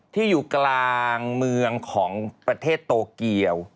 ที่อยู่กลางเมืองของประเทศโตเกียว